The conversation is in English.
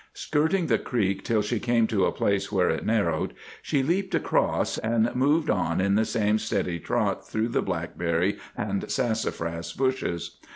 Skirting the creek till she came to a place where it narrowed, she leaped across, and moved on in the same steady trot through the blackberry and sassafras bushes.